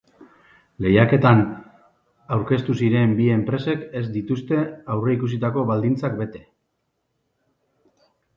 Lehiaketan aurkeztu ziren bi enpresek ez dituzte aurreikusitako baldintzak bete.